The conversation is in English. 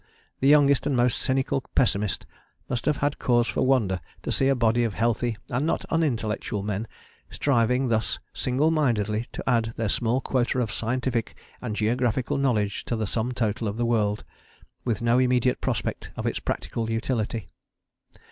The youngest and most cynical pessimist must have had cause for wonder to see a body of healthy and not unintellectual men striving thus single mindedly to add their small quota of scientific and geographical knowledge to the sum total of the world with no immediate prospect of its practical utility.